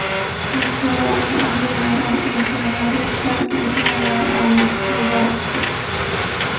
The Caroni-Arena Dam is the largest dam in Trinidad and Tobago.